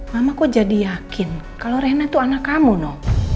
mamaku jadi yakin kalau rena itu anak kamu no